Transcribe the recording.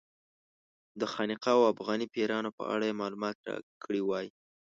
د خانقا او افغاني پیرانو په اړه یې معلومات راکړي وای.